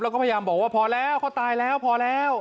แล้วก็พยายามบอกว่าพอแล้วเขาตายแล้วพอแล้ว